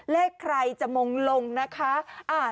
เลขใครจะมงลงนะคะ